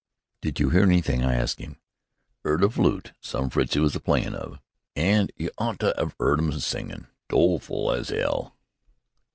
"Did you hear anything?" I asked him. "'Eard a flute some Fritzie was a playin' of. An' you ought to 'ave 'eard 'em a singin'! Doleful as 'ell!"